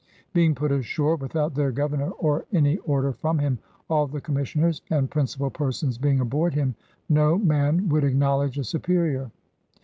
''Being put ashore without their Governor or any order from him (all the Commissioners and principal persons being aboard him) no man would acknowledge a superior.''